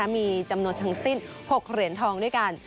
มีจำนวนทั้งสิ้น๖เหรียญทองด้วยกัน